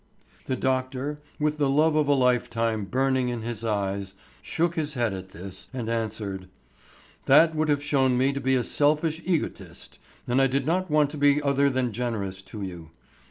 The doctor with the love of a lifetime burning in his eyes, shook his head at this, and answered: "That would have shown me to be a selfish egotist, and I did not want to be other than generous to you.